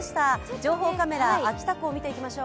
情報カメラ、秋田港を見ていきましょう。